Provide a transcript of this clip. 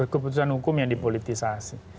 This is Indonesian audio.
keputusan hukum yang dipolitisasi